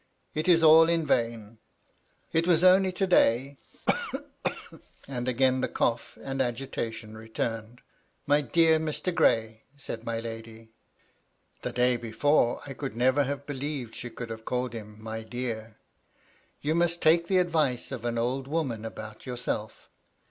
It is all in vain. It was only to day " And again the cough and agitation returned. " My dear Mr. Gray," said my lady (the day before, I could never have believed she could have called him My dear), ^^ you must take the advice of an old woman about yourself.